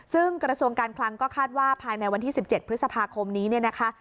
ซึ่งกระทรวงการคลังก็คาดว่าภายในวันที่๑๗พฤษภาคมนี้เนี่ยนะคะ